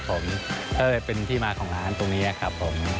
ก็เป็นที่มาของร้านตรงนี้ครับ